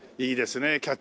いいですねえ